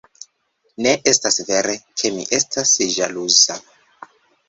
Ne estas vere, ke mi estas ĵaluza.